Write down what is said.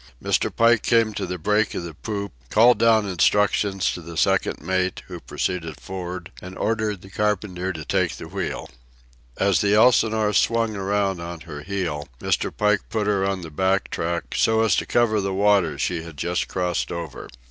Mr. Pike came to the break of the poop, called down instructions to the second mate, who proceeded for'ard, and ordered the carpenter to take the wheel. As the Elsinore swung around on her heel Mr. Pike put her on the back track so as to cover the water she had just crossed over.